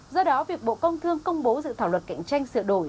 do đó việc bộ công thương công bố dự thảo luật cạnh tranh sửa đổi